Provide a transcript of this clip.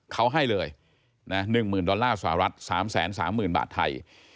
เขาให้เลย๑๐๐๐ดอลลาร์สหรัฐ๓๓๐๐๐บาทไทย